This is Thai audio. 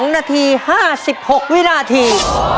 ๒นาที๕๖วินาที